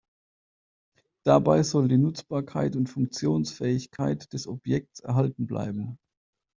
Dabei soll die Nutzbarkeit und Funktionsfähigkeit des Objekts erhalten bleiben.